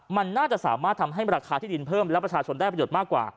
มันน่าจะสามารถทำให้ราคาที่ดินเพิ่มและประชาชนได้ประโยชน์มากกว่า